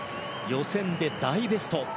予選で大ベスト。